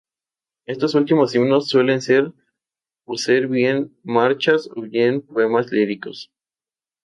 Estos últimos himnos suelen ser, o bien marchas, o bien poemas líricos.